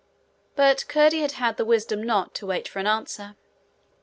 But Curdie had had the wisdom not to wait for an answer.